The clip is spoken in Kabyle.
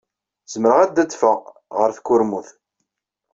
Zemreɣ ad adfeɣ ɣer tkurmut.